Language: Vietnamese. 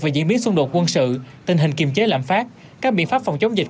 về diễn biến xung đột quân sự tình hình kiềm chế lạm phát các biện pháp phòng chống dịch